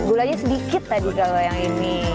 gulanya sedikit tadi kalau yang ini